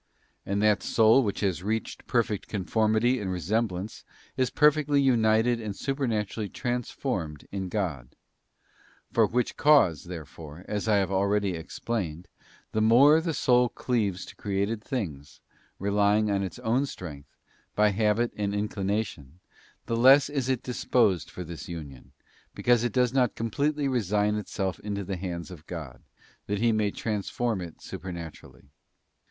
And that soul which has reached perfect conformity and resemblance is perfectly united and supernaturally transformed in God, For which cause, there fore, as I have already explained, the more the soul cleaves to created things, relying on its own strength, by habit and inclination, the less is it disposed for this union, because it does not completely resign itself into the hands of God, that He may transform it supernaturally.